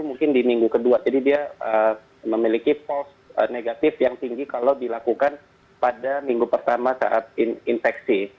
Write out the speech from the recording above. mungkin di minggu kedua jadi dia memiliki false negatif yang tinggi kalau dilakukan pada minggu pertama saat infeksi